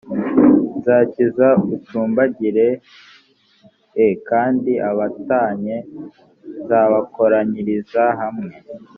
nzakiza ucumbagira e kandi abatatanye nzabakoranyiriza hamwe